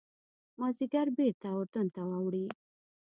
مازیګر بېرته اردن ته اوړي.